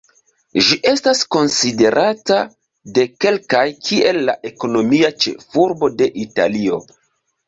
Ĝi estas konsiderata de kelkaj kiel la ekonomia ĉefurbo de Italio.